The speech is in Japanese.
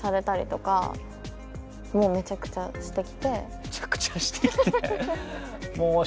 「めちゃくちゃしてきて」。